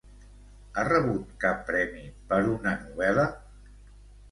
Ha rebut cap premi per una novel·la?